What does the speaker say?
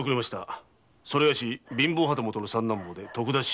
それがし貧乏旗本の三男坊で徳田新之助。